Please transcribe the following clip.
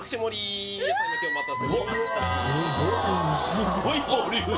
すごいボリューム。